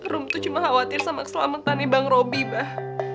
rum tuh cuma khawatir sama keselamatan nih bang robby bah